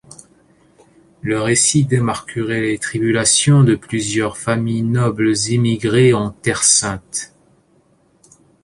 Le récit démarquerait les tribulations de plusieurs familles nobles émigrées en Terre sainte.